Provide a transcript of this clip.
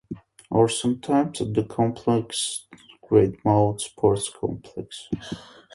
Or sometimes at the Grangemouth sports complex.